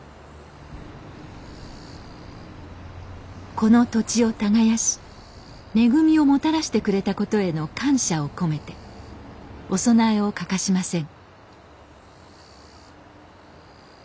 この土地を耕し恵みをもたらしてくれたことへの感謝を込めてお供えを欠かしません。